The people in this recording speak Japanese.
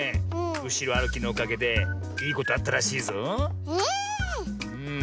うしろあるきのおかげでいいことあったらしいぞ。